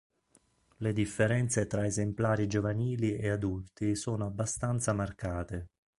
Le differenze tra esemplari giovanili e adulti sono abbastanza marcate.